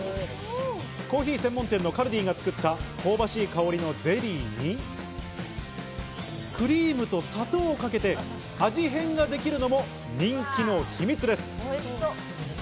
コーヒー専門店のカルディが作った香ばしい香りのゼリーに、クリームと砂糖をかけて味変ができるのも人気の秘密です。